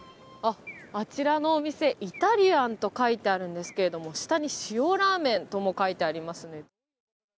あちらのお店、イタリアンと書いてあるんですけど下に「塩らぁめん」とも書いてありますね。